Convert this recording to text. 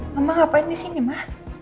mama ngapain di sini mah